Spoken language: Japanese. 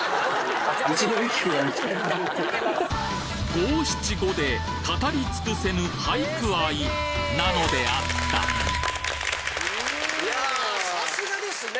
五七五で語り尽くせぬ俳句愛なのであったいや流石ですね。